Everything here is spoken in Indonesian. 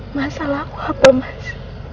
masalah aku apa mas